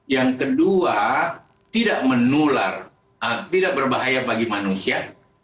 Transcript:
yang kedua tidak menular tidak berbahaya bagi manusia